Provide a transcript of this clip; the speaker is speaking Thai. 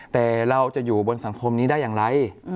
แต่เราจะอยู่บนสังคมนี้ได้อย่างไร